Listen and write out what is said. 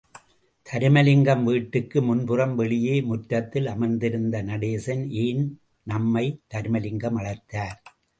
தருமலிங்கம் வீட்டுக்கு முன்புறம் வெளியே முற்றத்தில் அமர்ந்திருந்த நடேசன், ஏன், நம்மை தருமலிங்கம் அழைத்தார்?